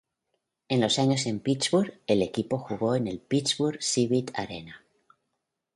En los años en Pittsburgh el equipo jugó en el Pittsburgh Civic Arena.